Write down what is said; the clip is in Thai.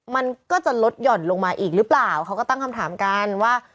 มันก็จะลดหย่อนลงมาอีกหรือเปล่าเขาก็ตั้งคำถามกันว่า